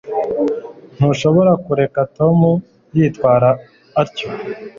Ntushobora kureka Tom yitwara atyo